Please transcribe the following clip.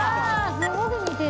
すごく似てる。